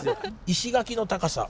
石垣の高さ。